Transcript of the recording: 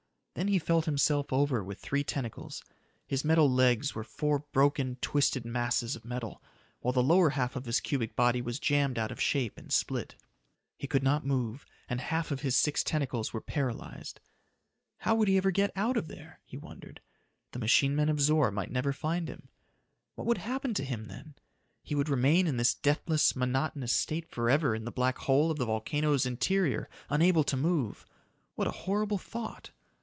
Then he felt himself over with three tentacles. His metal legs were four broken, twisted masses of metal, while the lower half of his cubic body was jammed out of shape and split. He could not move, and half of his six tentacles were paralyzed. How would he ever get out of there? he wondered. The machine men of Zor might never find him. What would happen to him, then? He would remain in this deathless, monotonous state forever in the black hole of the volcano's interior unable to move. What a horrible thought!